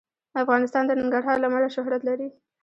افغانستان د ننګرهار له امله شهرت لري.